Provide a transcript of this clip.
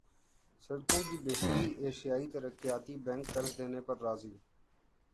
سڑکوں کی بہتریایشیائی ترقیاتی بینک قرض دینے پر راضی